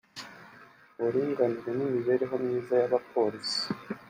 uburinganire n’imibereho myiza y’abapolisi